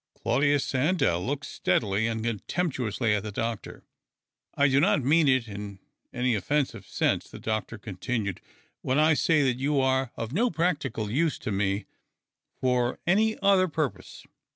Claudius Sandell looked steadily and con temptuously at the doctor. "I do not mean it in any offensive sense," the doctor continued, " when I say that you are of no practical use to me for any other purpose.